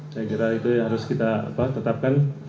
saya kira itu yang harus kita tetapkan